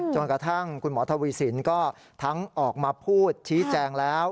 จนกระทั่งคุณหมอทวีสินก็ทั้งออกมาพูดชี้แจงแล้ว